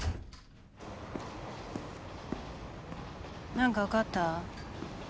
なんか分かった？